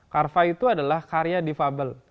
carva itu adalah karya difabel